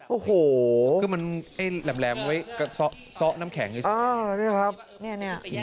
โอ้โหคือมันให้แหลมแหลมไว้ซะซะน้ำแข็งดีสินะอ่าเนี้ยครับเนี้ยเนี้ย